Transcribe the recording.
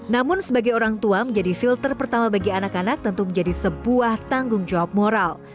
namun sebagai orang tua menjadi filter pertama bagi anak anak tentu menjadi sebuah tanggung jawab moral